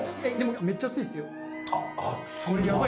めっちゃ熱いっすよ。